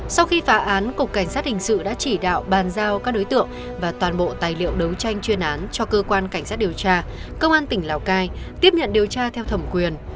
sau khi phá án cục cảnh sát hình sự đã chỉ đạo bàn giao các đối tượng và toàn bộ tài liệu đấu tranh chuyên án cho cơ quan cảnh sát điều tra công an tỉnh lào cai tiếp nhận điều tra theo thẩm quyền